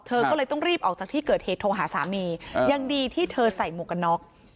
เธอก็เลยต้องรีบออกจากที่เกิดเหตุโทรหาสามียังดีที่เธอใส่หมวกกันน็อก